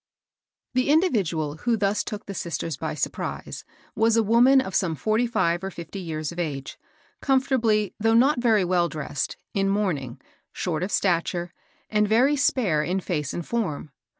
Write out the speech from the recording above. .^..." HE individual who thus took the sisters hy surprise was a woman of some forty five or fifty years of age, comfortably, though i pggg^ not very well dressed, in mourning, — WM short of stature, and very spare in face and form.